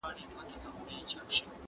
پنځه پنځم عدد دئ.